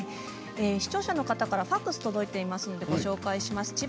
視聴者の方からファックス届いていますのでご紹介します。